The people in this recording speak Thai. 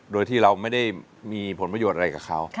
โดยที่เราไม่ได้มีผลประโยชน์อะไรกับเขา